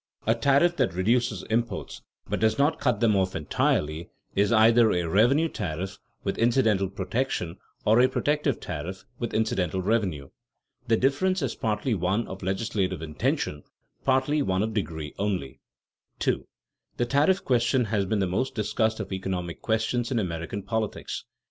A tariff that reduces imports but does not cut them off entirely is either a revenue tariff with incidental protection or a protective tariff with incidental revenue. The difference is partly one of legislative intention, partly one of degree only. [Sidenote: The beginning of the tariff under the Constitution] 2. _The tariff question has been the most discussed of economic questions in American politics.